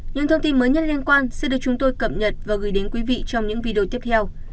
những thông tin mới nhất liên quan sẽ được chúng tôi cập nhật và gửi đến quý vị trong những video tiếp theo